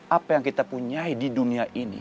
apa yang kita punya di dunia ini